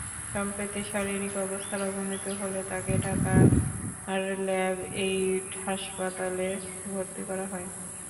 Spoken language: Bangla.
সম্প্রতি শারীরিক অবস্থার অবনতি হলে তাঁকে ঢাকার ল্যাবএইড হাসপাতালে ভর্তি করা হয়।